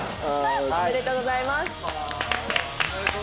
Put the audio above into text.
おめでとうございます！